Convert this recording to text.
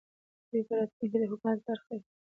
دوی په راتلونکې کې د حکومت برخه وي